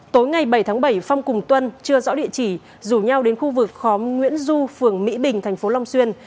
tối ngày bảy tháng bảy phong cùng tuân chưa rõ địa chỉ rủ nhau đến khu vực khóm nguyễn du phường mỹ bình tp long xuyên